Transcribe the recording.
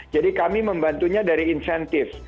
jadi kami membantunya dari insentif